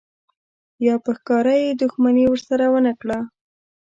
یا په ښکاره یې دښمني ورسره ونه کړه.